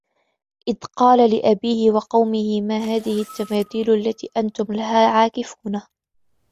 إِذْ قَالَ لِأَبِيهِ وَقَوْمِهِ مَا هَذِهِ التَّمَاثِيلُ الَّتِي أَنْتُمْ لَهَا عَاكِفُونَ